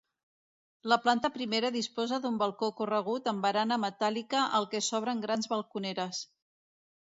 La planta primera disposa d'un balcó corregut amb barana metàl·lica al que s'obren grans balconeres.